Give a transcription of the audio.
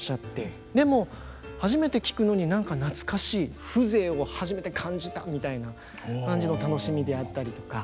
でも「初めて聴くのに何か懐かしい」「風情を初めて感じた」みたいな感じの楽しみであったりとか。